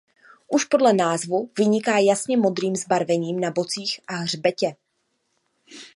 Už podle názvu vyniká jasně modrým zbarvením na bocích a hřbetě.